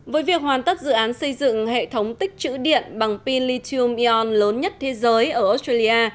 với việc hoàn tất dự án xây dựng hệ thống tích chữ điện bằng pin lithium bion lớn nhất thế giới ở australia